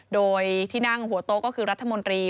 โดยที่นั่งหัวโต๊ะก็คือรัฐมนตรี